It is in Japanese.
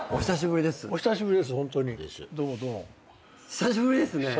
久しぶりですね。